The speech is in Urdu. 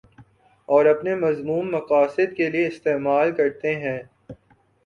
اور اپنے مذموم مقاصد کے لیے استعمال کرتے ہیں